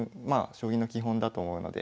将棋の基本だと思うので。